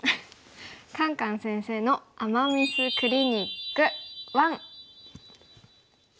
「カンカン先生の“アマ・ミス”クリニック１」。